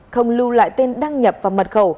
không lưu lại tên đăng nhập và mật khẩu